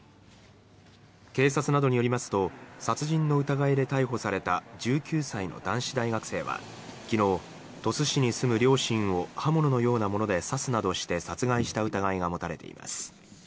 警察などによりますと殺人の疑いで逮捕された１９歳の男子大学生は昨日、鳥栖市に住む両親を刃物のようなもので刺すなどして殺害した疑いが持たれています。